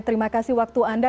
terima kasih waktu anda